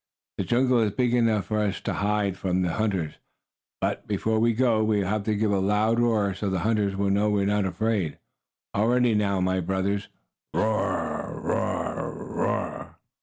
The jungle is big enough for us to hide from the hunters. But, before we go, we will give a loud roar so the hunters will know we are not afraid. All ready now, my brothers. Roar! Roar! Roar!"